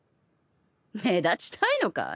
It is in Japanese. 目立ちたいのかい？